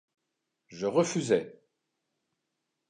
Je refusai.